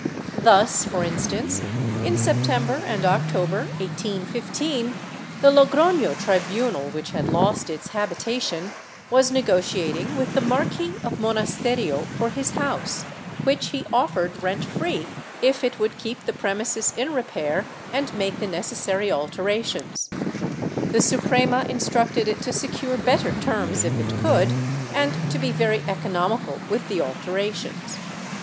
Thus, for instance, in September and October 1815, the Logroiio tribu nal, which had lost its habitation, was negotiating with the Marquis of Monasterio for his house, which he offered rent free, if it would keep the premises in repair and make the necessary alterations; the Suprema instructed it to secure better terms if it could, and to be very economical with the alterations.